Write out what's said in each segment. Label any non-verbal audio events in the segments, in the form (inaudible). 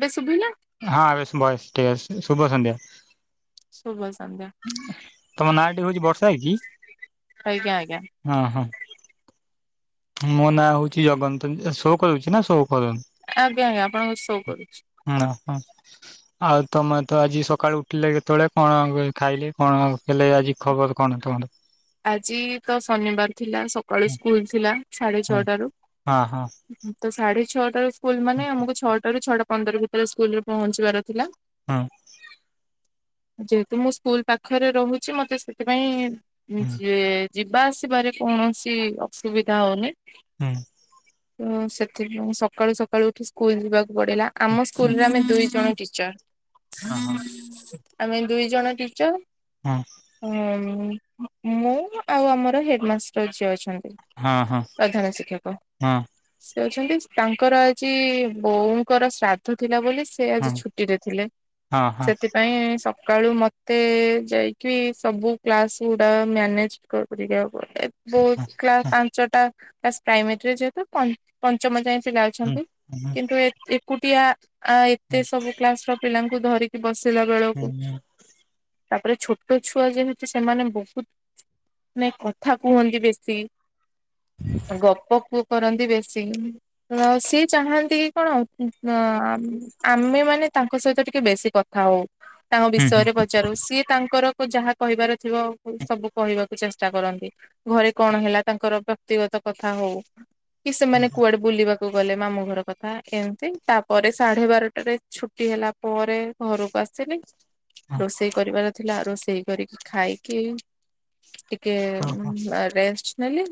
ଏବେ ଶୁଭିଲା। ହଁ ଏବେ ଭଏସ୍‌ ଠିକଅଛି ଶୁଭ ସନ୍ଧ୍ୟା। ଶୁଭ ସନ୍ଧ୍ୟା। ତମ ନାଟି ହଉଛି ବର୍ଷା କି? ଆଜ୍ଞା ଆଜ୍ଞା ହଁ ହଁ। ମୋ ନାଁ ହଉଛି ଜଗନ୍ନ୍ତ ଶୋ କରୁଛି ନା ଶୋ କରୁନି। ଆଜ୍ଞା ଆଜ୍ଞା ଆପଣଙ୍କ ସୋ କରୁଛି। ନା ହଁ। ଆଉ ତମେ ତ ଆଜି ସକାଳୁ ଉଠିଲେ କେତେବେଳେ କଣ ଖାଇଲେ କଣ ହେଲେ ଆଜି ଖବର କଣ ତମର? ଆଜି ତ ଶନିବାର ଥିଲା ସକାଳୁ ସ୍କୁଲ ଥିଲା। ସାଢେ ହଁ ଛଅଟାରୁ ହଁ ତ ସାଢେ ଛଅଟାରୁ ସ୍କୁଲ ମାନେ ଆମକୁ ଛଅଟ ରୁ ଛଅଟା ପନ୍ଦର ଭିତରେ ସ୍କୁଲରେ ପହଞ୍ଚିବାର ଥିଲା। ହଁ। ଯେହେତୁ ମୁଁ ସ୍କୁଲ ପାଖରେ ରହୁଛି ମତେ ସେଥିପାଇଁ ହଁ ଯଏ ଯିବା ଆସିବାରେ କୌଣସି ଅସୁବିଧା ହଉନି। ହୁଁ। ତ ସେଥିପାଇଁ ସକାଳୁ ସକାଳୁ ସ୍କୁଲ ଯିବାକୁ ପଡିଲା ହୁଁ ଆମ ସ୍କୁଲ ରେ ଆମେ ଦୁଇ ଜଣ ହଁ ହଁ ଟିଚର। ଆମେ ଦୁଇ ଜଣ ଟିଚର। ହଁ। ହୁଁ ମୁଁ ଆଉ ଆମର ହେଡମାଷ୍ଟର ଯିଏ ଅଛନ୍ତି। ହଁ ହଁ ପ୍ରଧାନ ଶିକ୍ଷକ। ହଁ ସେ ଅଛନ୍ତି ତାଙ୍କର ଆଜି ବୋଉଙ୍କର ଶ୍ରାଦ୍ଧ ଥିଲା ବୋଲି ସେ ସେ ହଁ ଆଜି ଛୁଟିରେ ଥିଲେ ହଁ ହଁ ସେଥିପାଇଁ ସକାଳୁ ମତେ ଯାଇକି ସବୁ କ୍ଲାସ ଗୁଡା ମ୍ୟାନେଜ କର (unintelligible) ବହୁତ ହଁ କ୍ଲାସ ପାଞ୍ଚଟା କ୍ଲାସ ପ୍ରାଇମେରୀରେ ଯେହେତୁ ପ ପଞ୍ଚମ ଯାଏ ପିଲା ହୁଁ ଅଛନ୍ତି ହୁଁ କିନ୍ତୁ ଏକୁଟିଆ ଆ ଏତେ ସବୁ କ୍ଲାସ ର ପିଲାଙ୍କୁ ଧରିକି ବସିଲା ହୁଁ ବେଳକୁ ତାପରେ ଛୋଟ ଛୁଆ ଯେହେତୁ ସେମାନେ ବହୁତ ମାନେ କଥା କୁହନ୍ତି ବେଶି ଗପ କୁ କରନ୍ତି ବେଶୀ। ସିଏ ଚାହାନ୍ତି କି କଣ ଉଁ ଆମେ ମାନେ ତାଙ୍କ ସହିତ ଟିକେ ବେଶୀ କଥା ଥାଉ ତାଙ୍କ ହୁଁ ହୁଁ ହୁଁ ହୁଁ ବିଷୟରେ ପଚାରୁ ସିଏ ତାଙ୍କର ଯାହା କହିବାର ଥିବ ସବୁ କହିବାକୁ ଚେଷ୍ଟା କରନ୍ତି ଘରେ କଣ ହେଲା ତାଙ୍କର ବ୍ୟକ୍ତିଗତ କଥା ହଉ। କି ସେମାନେ କୁଆଡେ ବୁଲିବା କୁ ଗଲେ ମାମୁଁ ଘର କଥା ଏମିତି ତାପରେ ସାଢେ ବାରଟାରେ ଛୁଟି ହେଲା ପରେ ଘରକୁ ଆସିବି। ହୁଁ ରୋଷେଇ କରିବାର ଥିଲା ରୋଷେଇ କରିକି ଖାଇକି ଟିକେ ହୁଁ ରେଷ୍ଟ ନେଲି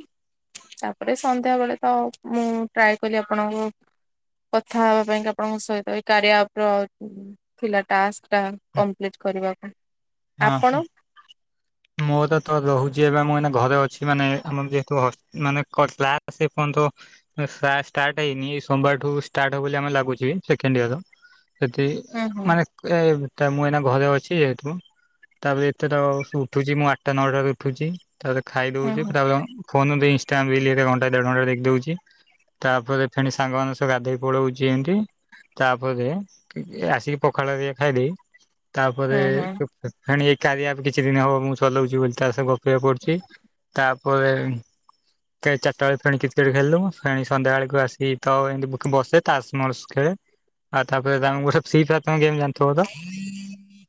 ତାପରେ ସନ୍ଧ୍ୟା ବେଳେ ତ ମୁଁ ଟ୍ରାଏ କଲି ଆପଣଙ୍କୁ କଥା ହବା ପାଇଁ କା ଆପଣଙ୍କ ସହିତ ଏ କାରିଆ ଆପ୍ ର ଥିଲା ଟାକ୍ସ୍ ଟା କମ୍ପ୍ଲିଟ୍ କରିବା ପାଇଁଁ। ହଁ ହଁ ଆପଣ? ମୋର ତ- ତ ରହୁଚି ଏବେ ମୁଁ ଏଇନେ ଘରେ ଅଛି ମାନେ ଆମର ଯେହେତୁ ହସ୍ -ମାନେ କ୍ଲାସ୍ ସେପର୍ଯ୍ୟନ୍ତ କ୍ଲାସ୍ ଷ୍ଟାର୍ଟ ହେଇନି ଏଇ ସୋମବାରଠୁ ଷ୍ଟାର୍ଟ ହବ ବୋଲି ଆମେ ଲାଗୁଚି ସେକେଣ୍ଡ୍ ଇୟର ର। ସେଠି ହୁଁ ହୁଁ ମାନେ ଏ ମୁଁ ଏଇନା ଘରେ ଅଛି ଯେହେତୁ ତାପରେ ଏତେ ତ ଆଉ ଶୁ ଉଠୁଚି ମୁଁ ଆଠଟା ନଅଟାରେ ଉଠୁଚି ତାପରେ ହୁଁ ଖାଇଦଉଚି ହୁଁ ତାପରେ ଫୋନ ଦେଇ ଇନଷ୍ଟା୍ ରିଲ୍ ଘଣ୍ଟାଟେ ଖଣ୍ଡେ ଦେଖିଦଉଚି ତାପରେ ଫେଣି ସାଙ୍ଗମାନଙ୍କ ସହ ଗାଧେଇ ପଳଉଚି ଏନ୍ତି। ତାପରେ ଆସିକି ପଖାଳ ଟିକେ ଖାଇଦେଇ ତାପରେ ହୁଁ ହୁଁ ତ ଫେଣି ଏ କାରିଆ ଆପ୍ କିଛି ଦିନ ହବ ମୁଁ ଚଲଉଚି ବୋଲି ତା ସହ ଗପ୍ ବେୟ କରୁଚି ତାପରେ ଚାରିଟା ବେଳେ ଫେଣି କ୍ରିକେଟ୍ ଖେଳିଲୁ ଫେଣି ସଂଧ୍ୟା ବେଳକୁ ଆସିକି ତ ଏମତି ବସେ ତାସ୍ ମାସ୍ ଖେଳେ ଆଉ ତାପରେ ତ ଫ୍ରୀ ଫାରେ ଗେମ୍ ଜାଣ୍ ଥବ ତ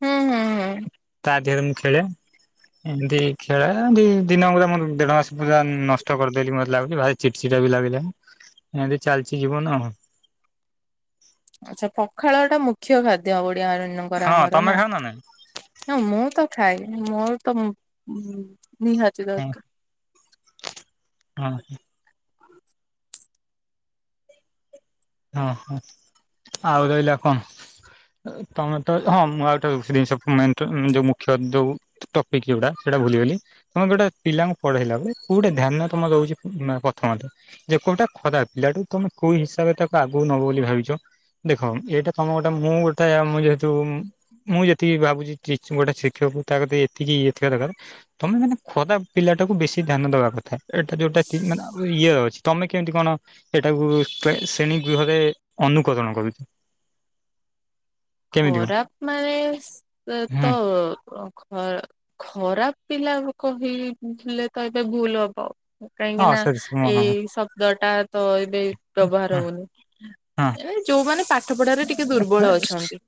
ହୁଁ ହୁଁ ହୁଁ ତା ଦେହରେ ମୁଁ ଖେଳେ ଏମିତି ଖେଳେ ଏମତି ଦିନ କୁ ଦିନ ପୁରା ମୁଁ ଦେଢ ମାସ ପୁରା ନଷ୍ଟ କରିଦେଲି ମତେ ଲାଗୁଚି ଭାରି ଚିଡ୍ ଚିଡା ବି ଲାଗିଲା ଏନ୍ତି ଚାଲିଚି ଜୀବନ ଆଉ। ଆଛା ପଖାଳ ଟା ମୁଖ୍ୟ ଖାଦ୍ୟ ଓଡିଆ ମାନଙ୍କର ହଁ ଆମର ତମେ ନା? ଖେଳ ନାଇଁ ହଁ ମୁଁ ତ ଖାଏ ମୋର ତ ମୋ-ନିହାତି ହଁ ଦରକାର୍। ହଁ। ଓ ହୋ ଆଉ ରହିଲା କଣ୍ ତମେ ତ ହଁ ମୁଁ ଆଉ ଗୋଟେ ଜିନିଷ ମେନ୍ ତ ଯଉ ମୁଖ୍ୟ ଯଉ ଟପିକ୍ ଯଉଟା ସେଟା ଭୁଲିଗଲି। ତମେ ଗୋଟେ ପିଲାଙ୍କୁ ପଢେଇଲା ବଳେ କଉଟେ ଧ୍ୟାନ ତମର ରହୁଚି ଉଁ -ପ୍ରଥମରେ? ଯେ କଉଟା ଖରାପ୍ ପିଲାଠୁ ତମେ କଉ ହିସାବରେ ତାକୁ ଆଗକୁ ନବ ବୋଲି ଭାବିଚ। ଦେଖ ଏଇଟା ତମ ଗୋଟେ ମୁଁ ଗୋଟେ ମୁଁ ଯେହେତୁ ମୁଁ ଯେତିକି ଭାବୁଚି ଟିଚ୍- ଗୋଟେ ଶିକ୍ଷକକୁ ତା କତି ଏତିକି ଇଏଥିବା ଦରକାର୍। ତମେ ମାନେ ଖରାପ୍ ପିଲା ଟାକୁ ବେଶି ଧ୍ୟାନ ଦବା କଥା ଏଟା ଯଉଟା ମାନେ ଇଏ ଅଛି ତମେ କେମିତି କଣ ଏଟାକୁ ଶ୍ରେ -ଶ୍ରେଣୀ ଗୃହରେ ଅନୁକରଣ କରୁଚି। ଖରାପ୍ ମାନେ ସ୍- ତ ହୁଁ ଖ-ଖରାପ୍ ପିଲା କହିଲେ ତ ଏବେ ଭୁଲ୍ ହବ। କାହିଁକି ହଁ ନା ସେ ହଁ ଏଇ ଶବ୍ଦ ଟା ତ ଏବେ ବ୍ୟବହାର ହଉନି। ହଁ ଏ ଯଉମାନେ ପାଠ ପଢାରେ ଟିକେ ଦୁର୍ବଳ ହଁ ଅଛନ୍ତି।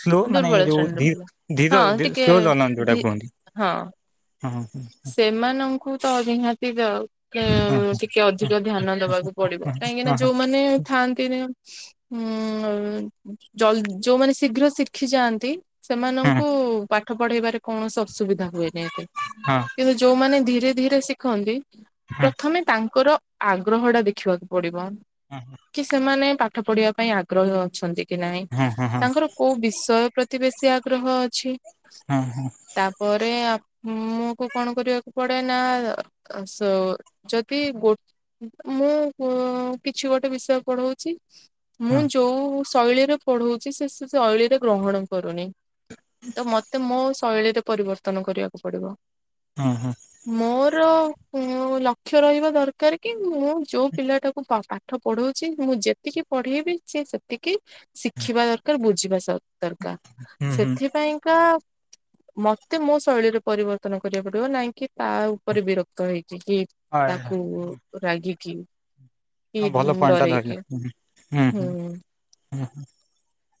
ସ୍ଲୋ ମାନେ ଦୁର୍ବଳ ଯଉ ଶ୍ରେଣୀର ଦି- ପିଲା। ଧୀ-ଦ- ହଁ ଯଉ ଟିକେ ସ୍ଲୋ ଜନ୍ ଯଉଟା ଧି କୁହନ୍ତି। ହଁ ହଁ- ହଁ। ସେମାନଙ୍କୁ ତ ନିହାତି ଯାଉ। ହଁ ହୁଁ -ଟିକେ ଅଧିକ ଧ୍ୟାନ ଦବାକୁ ପଡିବ କାହିଁକି ନା ହଁ ହଁ ଯଉମାନେ ଥାନ୍ତି ନି ଉଁ - ଜଲ୍-ଯଉମାନେ ଶୀଘ୍ର ଶିଖିଯାଆନ୍ତି ସେମାନଙ୍କୁ ପାଠ ପଢେଇବାରେ କୌଣସି ଅସୁବିଧା ହୁଏନି ଏତେ। ହଁ କିନ୍ତୁ ଯଉମାନେ ଧୀରେ ଧୀରେ ଶିଖନ୍ତି ହଁ ହଁ ପ୍ରଥମେ ତାଙ୍କର ଆଗ୍ରହ ଟା ଦେଖିବାକୁ ପଡିବ। ହଁ -ହଁ। କି ସେମାନେ ପାଠ ପଢିବା ପାଇଁ ଆଗ୍ରହ ଅଛନ୍ତି କି ନାହିଁ ହଁ ହଁ ହଁ ତାଙ୍କର କଉ ବିଷୟ ପ୍ରତି ବେଶୀ ଆଗ୍ରହ ଅଛି ହଁ ହଁ ତା ପରେ ଆ ମ କୁ କଣ କରିବାକୁ ପଡେ ନା ସୋ-ଯଦି ଗୋ ମୁଁ ପୁ-କିଛି ଗୋଟେ ବିଷୟ ପଢଉଚି ମୁଁ ହଁ ଯଉ ଶୈଳୀରେ ପଢଉଚି ସେ ଶୈଳୀରେ ଗ୍ରହଣ କରୁନି। ତ ମତେ ମୋ ଶୈଳୀରେ ପରିବର୍ତ୍ତନ କରିବାକୁ ପଡିବ। ହଁ ହଁ ମୋର ଲକ୍ଷ୍ୟ ରହିବା ଦରକାର କି ମୁଁ ଯୋଉ ପିଲାଟାକୁ ପା ପାଠ ପଢଉଛି ମୁଁ ଯେତିକି ପଢେଇବି ସେ ସେତିକି କି ଶିଖିବା ଦରକାର ବୁଝିବା ସ ଦରକାର ହୁଁ ହଁ ସେଥିପାଇଁକା। ମତେ ମୋ ଶୈଳୀରେ ପରିବର୍ତ୍ତନ କରିବାକୁ। ନହିଁ କି ତା ଉପରେ ବିରକ୍ତ ହେଇକ କି ତାକୁ ରାଗିକି କି ଭଲ ପଏଣ୍ଟ ଟା ଧରିଲ ଡରେଇକି ହୁଁ। ହୁଁ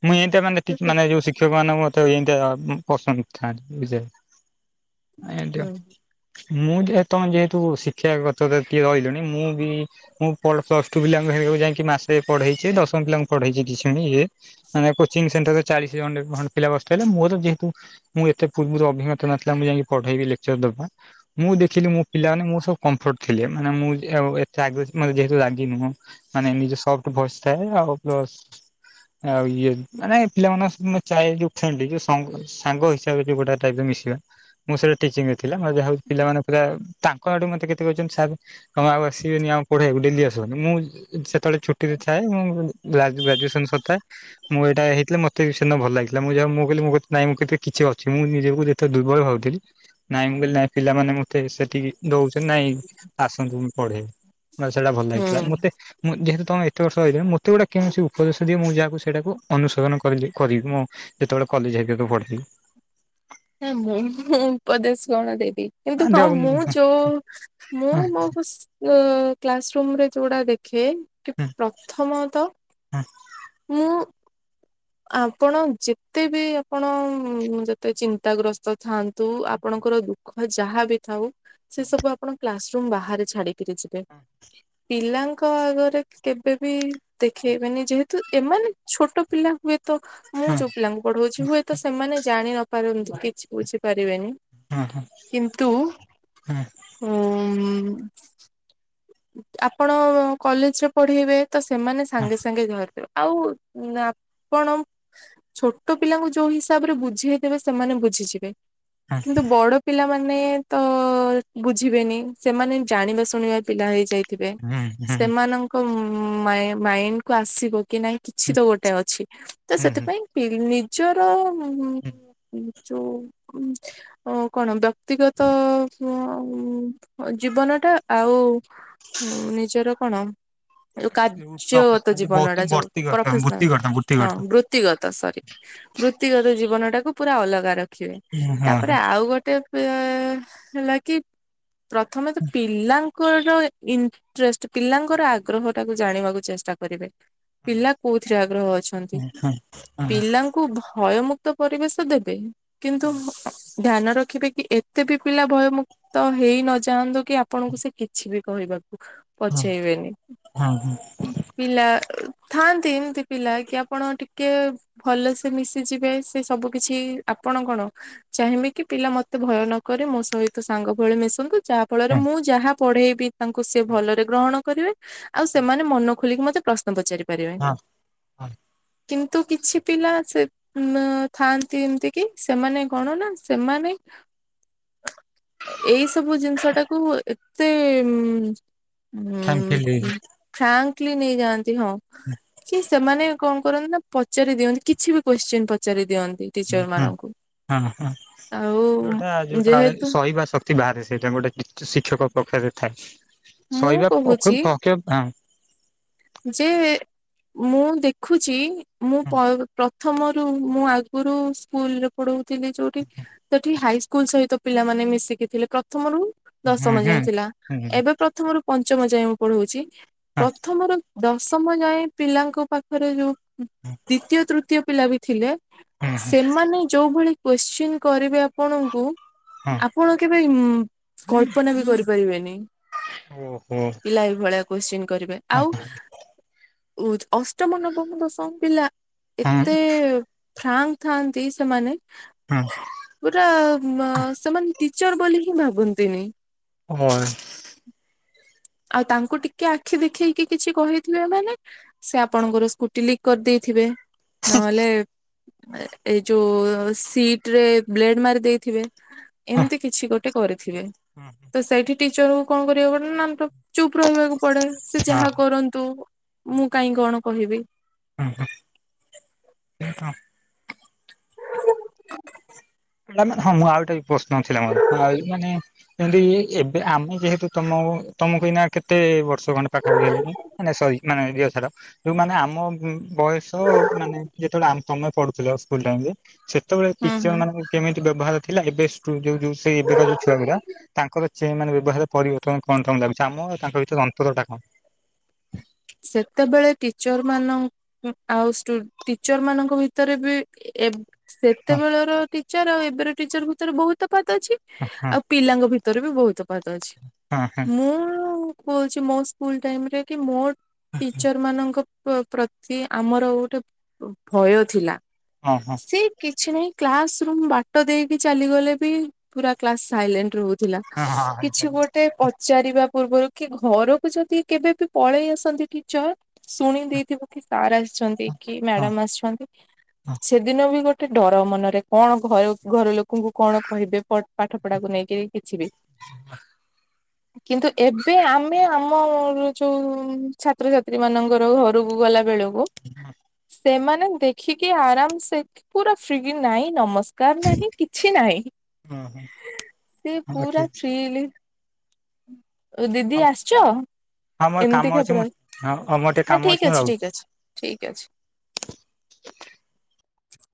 ମୁଁ ଏଇଟ ମାନେ ତ ସେ ମାନେ ଯୋଉ ଶିକ୍ଷକ ମାନଙ୍କୁ ଏମତି ପସନ୍ଦ ଥାନ୍ତି। ହୁଁ ମୁଁ ଯେହତଣ ଯେହେତୁ ଶିକ୍ଷାଗତ କିଏ ରହିଲୁଣି ମୁଁ ବି ମୁଁ ପ୍ଲସ୍ ଟୁ ପିଲାଙ୍କୁ ସେବାକୁ ଯାଇକି ମାସେ ପଢ଼େଇଛି ଦଶମ ପିଲାଙ୍କୁ ପଢ଼େଇଛି କିଛୁଣି ଇଏ ମାନ କୋଚିଂ ସେଣ୍ଟର ଚାଳିଶଖଣ୍ଡେ ପିଲା ବସିଥିଲେ ହେଲେ ମୋର ଯେହେତୁ ମୁଁ ଏତେ ପୂର୍ବରୁ ଅଭିଜ୍ଞତା ନଥିଲା ମୁଁ ଯାଇକି ପଢେଇବି ଲେକ୍ଚର ଦବା ମୁଁ ଦେଖିଲି ମୋ ପିଲ ମାନେ ମୋର ସବୁ କମ୍ଫର୍ଟ ଥିଲେ ମାନେ ମୁଁ ଥିବା ଏତେ ଆ ଲାଗିନୁହଁ ମାନେ ନିଜ ସବଠୁ ଭସ ଥାଏ ଆଉ ପ୍ଲସ ଆଉ ଇଏ ମାନେ ପିଲାମାନେଙ୍କ ସ ଚାଏ ଯୋଉ ଫେ ଯୋଉ ସାଙ୍ଗ ହିସାବରେ ବି ଗୋଟେ ଟାଇପ ମିଶିବା ମୋର ସେଟା ଟିଚିଂ ରେ ଥିଲା ଯାହାଉ ପିଲାମାନଙ୍କ ପୁରା ତାଙ୍କ ଆଡୁ ମତେ କେତେ କହିଛନ୍ତି ସାର୍ କଁ ଆଉ ଆସିବେନି ଆଉ ପଢେଇବାକୁ? ଡେ ଆସନ ମୁଁ ଯେତେବେଳେ ଛୁଟିରେ ଥାଏ ମୁଁ ଗ୍ରାଜୁସନ ସାରିଥାଏ। ମୁଁ ଏଇଟା ହେଇଥିଲା ମତେ ବି ସେଦନା ଭଲ ଲାଗିଥିଲା ମୁଁ ଯା ମୁଁ କହିଲିଁ ମୁଁ କିଛି ମୁଁ ନିଜକୁ ତ ଦୁର୍ବଳ ଭାବୁଥିଲି। ନାଇଁ ମୁଁ କହିଲି ନାଇଁ ପିଲାମାନେ ମତେ ସେଠିକି ଦଉଛନ୍ତି ନାଇଁ ଆସନ୍ତୁ ମୁ ପଢେଇବି। ସେଟା ଭଲ ହୁଁ। ଲାଗିଥିଲା ମତେ ମୁଁ ଯେହେତୁ ତମ କେତେ ବର୍ଷ ରିଲଣି ମୋତେ ଗୁଟଏ କୌଣସି ଉପଦେଶ ଦି ମ ମୁଁ ଯାହାକୁ ସେଟାକୁ ଅନୁସୋରନ କରିବି ମୁଁ ଯେତେବେଳେ କଲେଜ ହେଇିବାକୁ ପଡିଥିଲି। ନା ମୁଁ ମୁଁ ଉପଦେଶ କଣ ଦେବି କିନ୍ତୁ ହଁ ମୁଁ ଯୋଉ ମୁଁ ମୋ କ୍ଲାସ ରୁମ ରେ ଯୋଉଟା ଦେଖେ କି ପ୍ରଥମ ତ ହଁ ମୁଁ ଆପଣ ଯେତେ ବି ଆପଣ ଯେତେ ଚିନ୍ତାଗ୍ରସ୍ତ ଥାଆନ୍ତି ତୁ ଆପଣଙ୍କର ଦୁଃଖ ଯାହା ବିି ଥାଉ ସେ ସବୁ ଆପଣ କ୍ଲାସ ରୁମ୍ ବାହାରେ ଛାଡିକିରି ଯିବେ। ହଁ ପିଲାଙ୍କ ଆଗରେ କେବେବି ଦେଖେଇବେନି ଯେହେତୁ ଏମାନେ ଛୋଟ ପିଲା ତ ମୁଁ ଯୋଉ ପିଲାଙ୍କୁ ପଢଉଛି ହୁଏତ ସେମାନେ ଜାଣି ନ ପାରନ୍ତୁ କିଛି ବୁଝିପାରିବେନି। କିନ୍ତୁ ଉ ଆପଣ କଲେଜ ରେ ପଢେଇବେ ତ ସେମାନେ ସାଙ୍ଗେ ସାଙ୍ଗେ ଘର ଆଉ ଆପଣ? ଛୋଟ ପିଲାଙ୍କୁ ଯୋଉ ହିସାବ ରେ ବୁଝିଇଦେବେ ସେମାନେ ବୁଝିଯିବେ। କିନ୍ତୁ ବଡ ପିଲାମାନେ ତ ବୁଝିବେନି ସେମାନେ ଜାଣିବା ଶୁଣିବା ପିଲା ହେଇ ଯାଇଥିବେ ସେମାନଙ୍କ ମାଇଣ୍ଡ କୁ ଆସିବ କି ନାଇଁ କିଛି ତ ଗୋଟେ ଅଛି ତ ସେଥିପାଇଁ ନିଜର ଯଉ କଣ ବ୍ୟକ୍ତିଗତ ହ ଜୀବନ ଟା ଆଉ ନିଜର କଣ? ଯୋଉ କାର୍ଯ୍ୟଗତ ଜୀବନଟା ଯୋଉ ପ୍ରଫେସନାଲ ହଁ ବୃ ବୃତିଗତ ସରି ବୃତ୍ତିଗତ ଜୀବନ ଟାକୁ ପୁରା ଅଲଗା ରଖ। ଦେଖିବେ ତାପରେ ଆଉ ଗୋଟେ ଅ ହେଲା କି ପ୍ରଥମେ ତ ପିଲାଙ୍କ ଇଣ୍ଟଷ୍ଟ ପିଲାଙ୍କର ଆଗ୍ରହ ଟାକୁ ଜାଣିବାକୁ ଚେଷ୍ଟା କରିବେ। ପିଲା କୋଉଥିରେ ଆଗ୍ରହ ଅଛନ୍ତି। ପିଲାଙ୍କୁ ଭୟମୁକ୍ତ ପରିବେଶ ଦେବେ। କିନ୍ତୁ ଧ୍ୟାନ ରଖିବେ କି ଏତେ ବି ପିଲା ଭୟମୁକ୍ତ ହେଇ ନ ଯାନ୍ତୁ କି ଆପଣଙ୍କୁ ସେ କିଛି ବି କହିବାକୁ ପଛେଇ ବେନି। ପିଲା ଥାଆନ୍ତି ଏମିତି ପିଲା କି ଆପଣ ଟିକେ ଭଲସେ ମିଶି ଯିବେ। ସେ ସବୁ କିଛି ଆପଣ କଣ ଚାହିଁବି କି ପିଲା ମତେ ଭୟ ନକରେ। ମୋ ସହିତ ସାଙ୍ଗ ଭଳି ମିଶନ୍ତୁ। ଯାହା ଫଳରେ ମୁଁ ଯାହା ପଢେଇବି ତାଙ୍କୁ ସେ ଭଲରେ ଗ୍ରହଣ କରିବେ। ଆଉ ସେମାନେ ମନ ଖୋଲିକି ମତେ ପ୍ର ଶ୍ନ ପଚାରି ପାରିବେ। କିନ୍ତୁ କିଛି ପିଲା ସେ ଉ ଥାଆନ୍ତି ଏମିତି କି ସେମାନେ କଣ ନା ସେମାନେ ଏଇ ସବୁ ଜିନିଷ ଟାକୁ ମେ ଉ ଉ ଫ୍ରାକ୍ଲି ନେଇ ଯାଆ ହଁ କି ସେମାନେ କଣ କରନ୍ତି ନା ପଚାରି ଦିଅନ୍ତି। କିଛି ବି କୋଶ୍ଚିନ୍ ପଚାରି ଦିଅନ୍ତି। ଟିଚର ହୁଁ ମାନଙ୍କୁ। ହଁ ହଁ ଆଉ ଯୋଉଟା ଯୋଉଟା ଯେହେତୁ ସହିବା ଶକ୍ତି ବାହାରେ ସେଇଟା ଗୋଟେ ଶିକ୍ଷକ ପକ୍ଷରେ ଥାଏ। ମୁଁ ଶହିବା କହୁଛି (unintelligible) ହଁ। ଯେ ମୁଁ ଦେଖୁଛି ମୁଁ ପ ପ୍ର ପ୍ରଥମରୁ ମୁଁ ଆଗରୁ ସ୍କୁଲରେ ପଢଉଥିଲି ଯୋଉଠି। ସେଠି ହାଇସ୍କୁଲ ସହିତ ପିଲାମାନେ ମିଶିକି ଥିଲେ। ପ୍ରଥମରୁୁ ହୁଁ ଦଶମ ହୁଁ। ଯାଏ ଥିଲା। ହୁଁ ଏବେ ପ୍ରଥମରୁ ପଞ୍ଚମ ଯାଏ ମୁଁ ପଢଉଛି। ହଁ ପ୍ରଥମରୁ ଦଶମ ଯାଏଁ ପିଲାଙ୍କ ପାଖରେ ଯୋଉ ହୁଁ। ଦ୍ଵିତୀୟ ତୃତୀୟ ପିଲା ବି ଥିଲେ। ହଁ ସେମାନେ ଯୋଉ ଭଳି କୋଶ୍ଚିନ୍ କରିବେ ଆପଣଙ୍କୁ ହଁ। ଆପଣ କେବେ ଉଁ କଳ୍ପନା ବି କରି ପାରିବେନି। ଓ ହୋ। ଭଳିଆ କୋଶ୍ଚିନ କରିବେ। ଆଉ ଅଷ୍ଟମ ନବମ ଦଶମ ପିଲା ହଁ ଏତେ ଫ୍ରାଙ୍କ ଥାନ୍ତି ସେମାନେ। ହଁ। ପୁରା ସେମାନେ ଟିଚର ବୋଲି ହିଁ ଭାବନ୍ତିନି। ହଁ ଏ। ଆଉ ତାଙ୍କୁ ଟିକେ ଆଖି ଦେଖେଇକି କିଛି କହିଥିବେ ମାନେ ସେ ଆପଣଙ୍କର ସ୍କୁଟି ଲିକ୍ କରି ଦେଇଥିବେ। ନହେଲେ ଏଇ ଯୋଉ ସିଟରେ ବ୍ଲେଡ ମାରି ଦେଇଥିବେ। ଏମିତି କିଛି ଗୋଟେ କରିଥିବେ। ହଁ ହଁ। ତ ସେଇଠି ଟିଚର କୁ କଣ କରିବାକୁ ପଡେ ନାମ ଚୁପ ରହିବାକୁ ପଡେ ସେ ଯାହା କରନ୍ତୁ। ମୁଁ କାଇଁ କଣ କହିବି? ହୁଁ ହୁଁ। ଟେ ହଁ ମୁଁ ଆଉଟେ ବି ପ୍ରଶ୍ନ ଥିଲା ମୋର। ଆଉ ମାନେ ଯେନ୍ତି ଏବେ ଆମେ ଯେହେତୁ ତମ ତମକୁ ଇନା କେତେ ବର୍ଷ ଖଣ୍ଡେ ପାଖାପଖି ହେଲାଣି। ମାନେ ସରି ମାନେ ଝିଅ ସାର। ଯୋଉ ମାନେ ଆମ ବୟସ ମାନେ ଯେତେବେଳେ ତମେ ପଢୁଥିଲ ସ୍କୁଲ ଟାଇମ୍ ରେ। ସେତେବେଳେ ହୁଁ ଟିଚର ହୁଁ। ମାନ କେମିତି ବ୍ୟବହାର ଥିଲା। ଏବେ ଯୋଉ ଯୋଉ ସେ ଏବେକା ଯଉ ଛୁଆ ଗୁଡା ତାଙ୍କର ଚେ ମାନେ ବ୍ୟବହାରରେ ପରିବର୍ତ୍ତନ କଣ ତମ ଲାଗୁଛି। ଆମ ଆଉ ତାଙ୍କ ଭିତରେ ଅନ୍ତର ଟା କଣ? ସେତେବେଳେ ଟିଚର ମାନଙ୍କ ଆଉ ଷ୍ଟୁ ଟିଚର ମାନଙ୍କ ଭିତରେ ବି ଏ ହଁ ସେତେବେଳର ଟିଚର ଆଉ ଏବେର ଟିଚର ଭିତରେ ବହୁତ ତଫାତ୍ ଅଛି। ହ ହଁ। ଆଉ ପିଲାଙ୍କ ଭିତରେ ବି ବହୁତ ତଫାତ୍ ଅଛି। ହଁ ହଁ ମୁଁ ଆଉ କହୁଛି ମୋ ସ୍କୁଲ ଟାଇମ ରେ କି ମୋ ଟିଚର ମାନଙ୍କ ପ୍ରତି ଆମର ଗୋଟେ ଭ-ଭୟ ଥିଲା ହଁ ହଁ ସେ କିଛି ନାହିଁ କ୍ଲାସ ରୁମ ବାଟ ଦେଇକି ଚାଲିଗଲେ ବି ପୁରା କ୍ଲାସ ସାଇଲେଣ୍ଟ ରହୁ ଥିଲା ହଁ ହଁ ହଁ ହଁ କିଛି ହଁ ଗୋଟେ ପଚାରିବା ପୂର୍ବରୁ କି ଘରକୁ ଯଦି କେବେ ବି ପଳେଇ ଆସନ୍ତି ଟିଚର ଶୁଣି ଦେଇଥିବ କି ସାରା ଆସି ଛନ୍ତି କି ମ୍ୟାଡାମ ଆସିଛନ୍ତି ସେଦିନ ବି ଗୋଟେ ଟେ ଡର ମନରେ କଣ ଭୟ ଘର ଲୋକଙ୍କୁ କଣ କହିବେ ପାଠ ପଢାକୁ ନେଇକି କିଛିିବି କିନ୍ତୁ ଏବେ ଆମେ ଆମ ଯୋଉ ଛାତ୍ରଛାତ୍ରୀ ମାନଙ୍କର ଘରକୁ ଗଲା ବେଳକୁ ହଁଁ ସେମାନେ ଦେଖିକି ଆରାମସେ ପୁରା ଫ୍ରି ନାହିଁ ନମସ୍କାର କାର ନାହିଁ କିଛି ନାହିଁ ହଁ ହଁ ସେ ହଁ ହଁ ଠିକ ପୁରା ଅଛି। ଫ୍ରୀଲି ଦିଦି ଆସିଛ ହଁ ମୋର କାମ ଏମିତିକା ଅଛି ପୁରା ମୁଁ ହଁ ମୋର ଟିକେ ହଁ କାମ ଠିକ ମୁଁ ରହୁଛି। ଅଛି ଠିକ ଅଛି। ଠିକ ଅଛି।